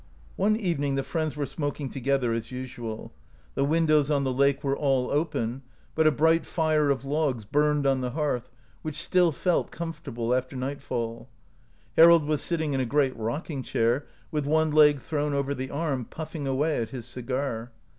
One evening the friends were smoking together as usual. The windows on the lake OUT OF BOHEMIA were all open, but a bright fire of logs burned on the hearth, which still felt com fortable after nightfall. Harold was sitting in a great rocking chair, with one leg thrown over the arm, puffing away at his cigar.